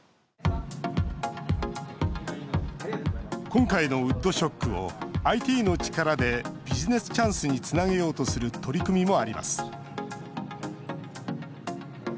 今回のウッドショックをＩＴの力でビジネスチャンスにつなげようとする取り組みもあります。